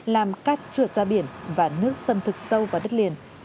làm cát trượt ra biển và nước xâm thực sâu vào đất liền